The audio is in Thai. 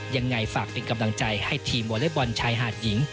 ยังไงฝากเป็นกำลังใจให้ทีมวอเล็กบอลชายหาดหญิง